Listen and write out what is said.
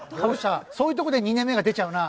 そういうとこで２年目が出ちゃうな。